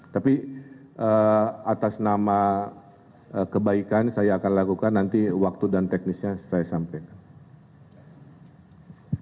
tapi atas nama kebaikan saya akan lakukan nanti waktu dan teknisnya saya sampaikan